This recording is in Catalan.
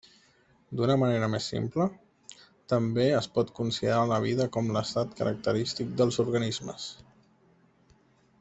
D'una manera més simple, també es pot considerar la vida com l'estat característic dels organismes.